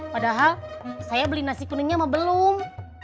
padahal saya beli nasi kuningnya sama belum